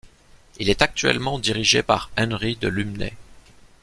Il est actuellement dirigé par Henry de Lumley.